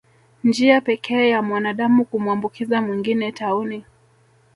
Njia pekee ya mwanadamu kumwambukiza mwingine tauni